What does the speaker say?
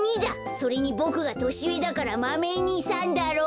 それにボクがとしうえだから「マメ２さん」だろ！